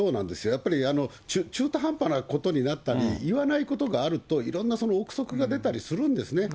やっぱり中途半端なことになったり、言わないことがあると、いろんな臆測が出たりするんですね。